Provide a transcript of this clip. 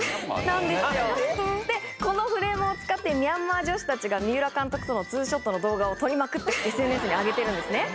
このフレームを使ってミャンマー女子たちが三浦監督とのツーショットの動画を撮りまくってＳＮＳに上げてるんですね。